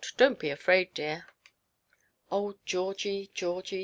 Donʼt be afraid, dear." Oh, Georgie, Georgie!